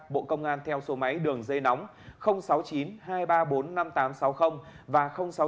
bộ công an theo số máy đường dây nóng sáu mươi chín hai trăm ba mươi bốn năm nghìn tám trăm sáu mươi và sáu mươi chín hai trăm ba mươi một một nghìn sáu trăm bảy